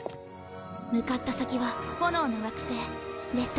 向かった先は炎の惑星レッドケイブ。